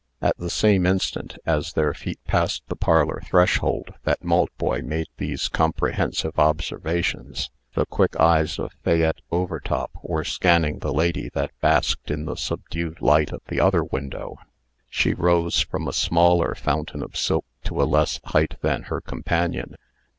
At the same instant (as their feet passed the parlor threshold) that Maltboy made these comprehensive observations, the quick eyes of Fayette Overtop were scanning the lady that basked in the subdued light of the other window. She rose from a smaller fountain of silk to a less height than her companion.